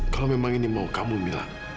kalau memang ini mau kamu bilang